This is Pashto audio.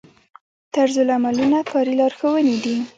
طرزالعملونه کاري لارښوونې دي